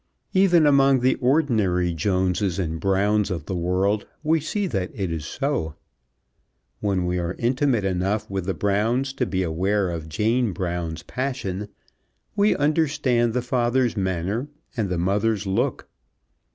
Even among the ordinary Joneses and Browns of the world we see that it is so. When we are intimate enough with the Browns to be aware of Jane Brown's passion, we understand the father's manner and the mother's look.